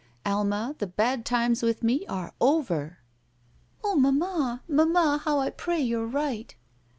Alma, the bad times with me are over." ''Oh, mammal Mamma, how I pray you're right."